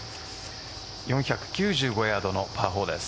４９５ヤードのパー４です。